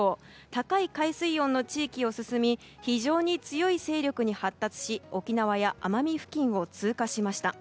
高い海水温の地域を進み非常に強い勢力に発達し沖縄や奄美付近を通過しました。